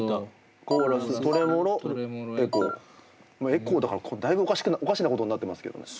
エコーだからだいぶおかしなことになってますけどね。